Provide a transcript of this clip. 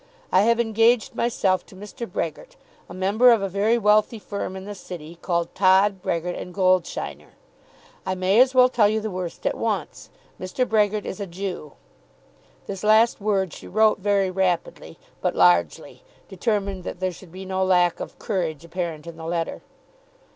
I have engaged myself to Mr. Brehgert, a member of a very wealthy firm in the City, called Todd, Brehgert, and Goldsheiner. I may as well tell you the worst at once. Mr. Brehgert is a Jew. This last word she wrote very rapidly, but largely, determined that there should be no lack of courage apparent in the letter.